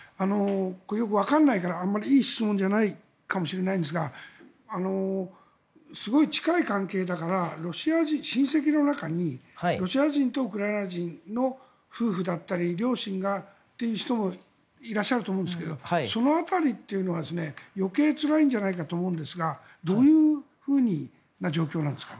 よく分からないからあまりいい質問じゃないかもしれないんですがすごい近い関係だから親戚の中に、ロシア人とウクライナ人の夫婦だったり両親がという人もいらっしゃると思うんですけどその辺りというのは余計つらいんじゃないかと思うんですがどういうふうな状況なんですか？